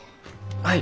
はい。